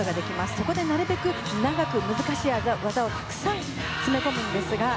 そこでなるべく長く難しい技をたくさん詰め込むんですが。